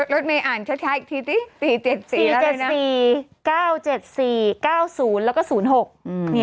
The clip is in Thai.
รถเมย์อ่านช้าอีกทีสิ๔๗๔แล้วเลยนะ๔๗๔๙๗๔๙๐๐๖